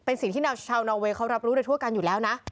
เป็นสิ่งที่ชาวนอเวย์เขารับรู้ได้ทั่วกันอยู่แล้วนะ